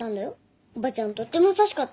おばちゃんとっても優しかったの。